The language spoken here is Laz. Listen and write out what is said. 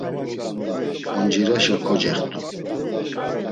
Oncireşa kocext̆u.